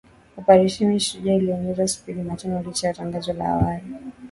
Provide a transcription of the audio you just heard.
Operesheni Shujaa iliongezwa siku ya Jumatano licha ya tangazo la awali